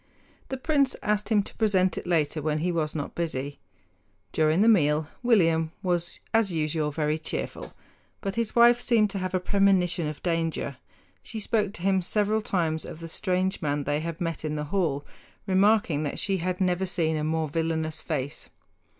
The prince asked him to present it later when he was not busy. During the meal William was as usual very cheerful; but his wife seemed to have a premonition of danger. She spoke to him several times of the strange man they had met in the hall, remarking that she had never seen a more villainous face.